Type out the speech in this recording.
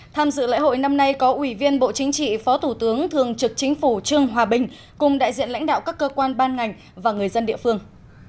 tham dự lễ hội năm nay có ủy viên bộ chính trị phó thủ tướng thường trực chính phủ trương hòa bình cùng đại diện lãnh đạo các cơ quan ban ngành và người dân địa phương